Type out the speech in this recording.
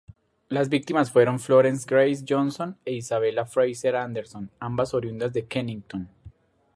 Las víctimas fueron Florence Grace Johnson e Isabella Frazer Anderson, ambas oriundas de Kennington.